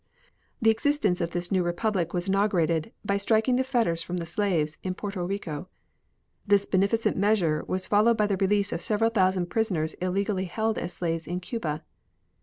The existence of this new Republic was inaugurated by striking the fetters from the slaves in Porto Rico. This beneficent measure was followed by the release of several thousand persons illegally held as slaves in Cuba.